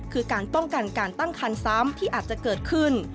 คือการป้องกันการตั้งคันซ้ำที่อาจจะเกิดขึ้น